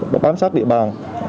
đã bám sát địa bàn